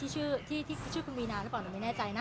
ที่ชื่อคือหมูวีนะหรือเปล่าไม่แน่ใจชื่อ